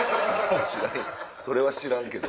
それは知らんけど。